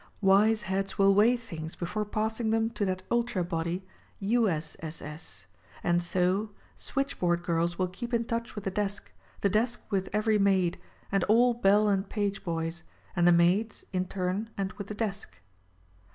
Wise heads will weigh things before passing them to that ultra body — U. S. S. S. And so: Switch board girls will keep in touch with the desk; the desk with every maid — and all bell and page boys; and the maids, in turn and with the desk.